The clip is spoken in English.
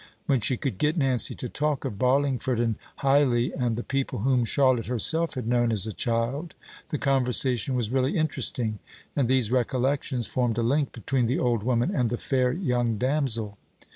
When she could get Nancy to talk of Barlingford and Hyley, and the people whom Charlotte herself had known as a child, the conversation was really interesting; and these recollections formed a link between the old woman and the fair young damsel.